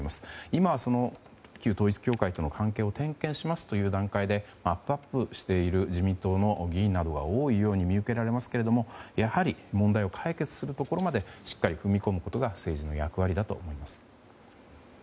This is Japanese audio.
今は、その旧統一教会との関係を点検しますという段階であっぷあっぷしている自民党の議員などは多いように見受けられますがやはり問題を解決するところまでしっかり踏み込むことが政治の役割だと思います。